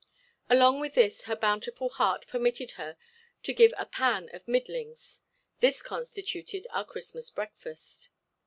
Along with this her bountiful heart permitted her to give a pan of middlings. This constituted our Christmas breakfast.